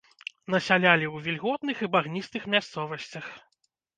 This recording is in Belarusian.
Насялялі ў вільготных і багністых мясцовасцях.